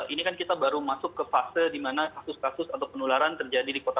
ini kan kita baru masuk ke fase di mana kasus kasus atau penularan terjadi di kota